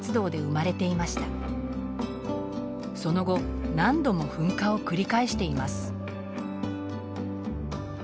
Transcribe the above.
その後何度も噴火を繰り返しています。